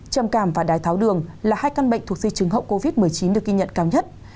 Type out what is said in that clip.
trầm cảm và đái tháo đường là hai căn bệnh thuộc di chứng hậu covid một mươi chín được ghi nhận cao nhất